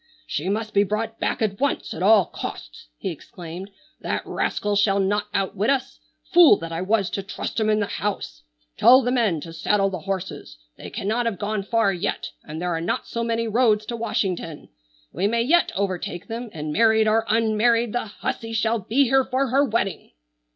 "She must be brought back at once at all costs!" he exclaimed. "That rascal shall not outwit us. Fool that I was to trust him in the house! Tell the men to saddle the horses. They cannot have gone far yet, and there are not so many roads to Washington. We may yet overtake them, and married or unmarried the hussy shall be here for her wedding!"